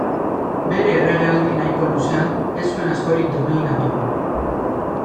Bere erregealdi nahiko luzean, ez zuen askorik domeinatu.